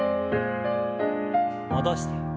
戻して。